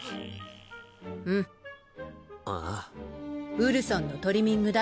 ウルソンのトリミング代。